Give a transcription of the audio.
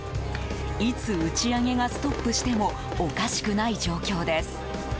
いつ、打ち上げがストップしてもおかしくない状況です。